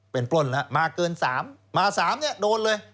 เป็นปล้นแล้วมาเกิน๓มา๓เนี่ยโดนเลย